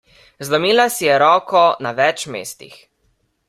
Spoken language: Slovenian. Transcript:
Zlomila si je roko na več mestih.